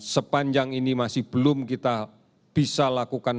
sepanjang ini masih belum kita bisa lakukan